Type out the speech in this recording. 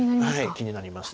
気になります。